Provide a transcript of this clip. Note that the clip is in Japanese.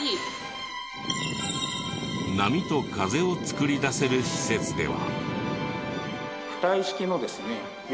波と風を作り出せる施設では。